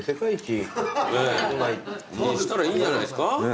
したらいいんじゃないですか？